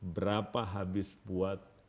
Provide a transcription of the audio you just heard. berapa habis buat